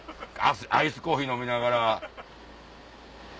アイスコーヒー飲みながら。